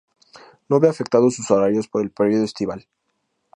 No ve afectados sus horarios por el periodo estival.